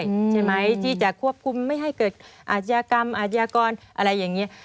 ใช่ไหมที่จะควบคุมไม่ให้เกิดอาชญากรรมอาชญากรอะไรอย่างนี้